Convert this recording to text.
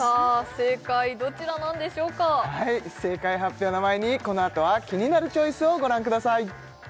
正解どちらなんでしょうか正解発表の前にこのあとは「キニナルチョイス」をご覧ください